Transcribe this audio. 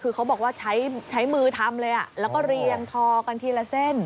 คือเขาบอกว่าใช้มือทำเลยแล้วก็เรียงทอกันทีละเส้น